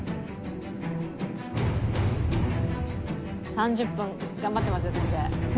「３０分頑張ってますよ先生」